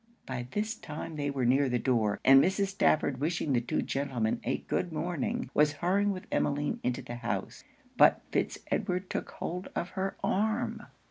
By this time they were near the door; and Mrs. Stafford wishing the two gentlemen a good morning, was hurrying with Emmeline into the house; but Fitz Edward took hold of her arm.